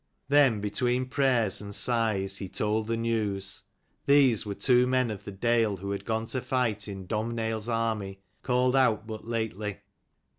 Then between prayers and sighs he told the news. These were two men of the dale who had gone to fight in DomhnailPs army, called out but lately.